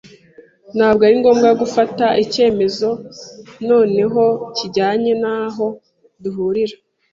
Ntabwo ari ngombwa gufata icyemezo noneho kijyanye n’aho duhurira.